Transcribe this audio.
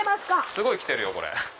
すごい来てるよこれ。